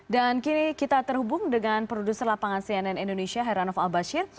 dan kini kita terhubung dengan produser lapangan cnn indonesia heranof al bashir